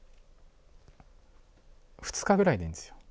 ２日ぐらいでいいんですよ。